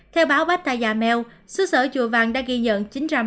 theo báo bách tha gia mèo xuất sở chùa vàng đã ghi nhận